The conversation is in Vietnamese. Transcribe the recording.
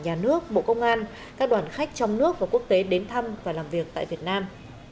nhà nước bộ công an các đoàn khách trong nước và quốc tế đến thăm và làm việc tại việt nam